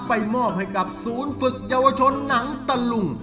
ไปมอบให้กับศูนย์ฝึกเยาวชนหนังตะลุง